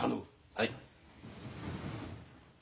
はい。